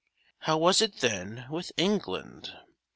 How was it then with England?